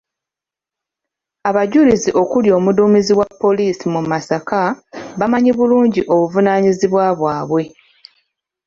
Abajulizi okuli omuduumizi wa poliisi mu Masaka bamanyi bulungi obuvunaanyizibwa bwabwe.